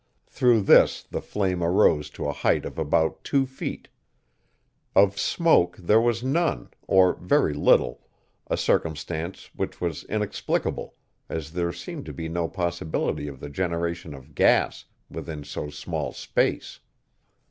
Through this the flame arose to a height of about two feet. Of smoke there was none, or very little, a circumstance which was inexplicable, as there seemed to be no possibility of the generation of gas within so small space.